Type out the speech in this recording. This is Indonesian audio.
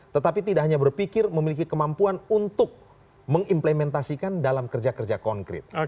tetapi tidak hanya berpikir memiliki kemampuan untuk mengimplementasikan dalam kerja kerja konkret